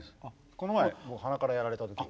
この前僕鼻からやられた時が。